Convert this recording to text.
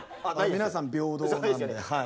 皆さん平等なんではい。